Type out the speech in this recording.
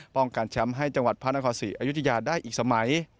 ป้องกันแชมป์ให้จังหวัดพระนครศรีอยุธยาได้อีกสมัย